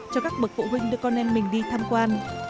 cho các bậc phụ huynh đưa con em mình đi tham quan